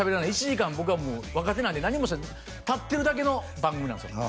１時間僕はもう若手なんで何も立ってるだけの番組なんですよ